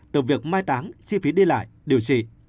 từ việc mai táng chi phí đi lại điều trị